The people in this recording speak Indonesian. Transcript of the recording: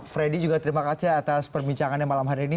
freddy juga terima kasih atas perbincangannya malam hari ini